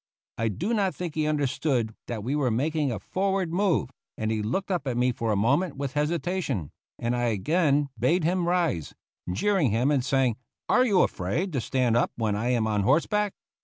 I do not think he understood that we were making a forward move, and he looked up at me for a moment with hesitation, and I again bade him rise, jeering him and saying :" Are you afraid to stand up when I am on horseback